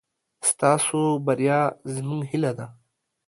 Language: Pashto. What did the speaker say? ستاسو بريا زموږ هيله ده.